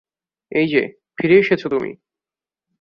এই যে, ফিরে এসেছো তুমি!